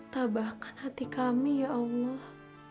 tambahkan hati kami ya allah